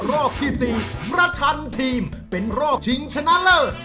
รอบที่๔ประชันทีมเป็นรอบชิงชนะเลิศ